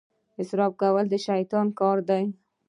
اسراف کول د شیطان کار دی.